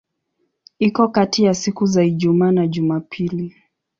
Iko kati ya siku za Ijumaa na Jumapili.